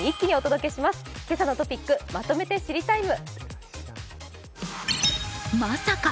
「けさのトピックまとめて知りＴＩＭＥ，」。